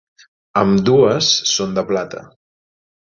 Ambdues són de plata.